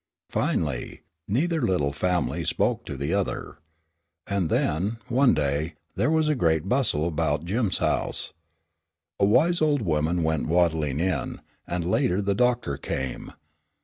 Finally, neither little family spoke to the other. And then, one day, there was a great bustle about Jim's house. A wise old woman went waddling in, and later the doctor came.